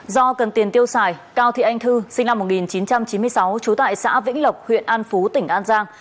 do cần tiền tiêu xài cao thị anh thư sinh năm một nghìn chín trăm chín mươi sáu trú tại xã vĩnh lộc huyện an phú tỉnh an giang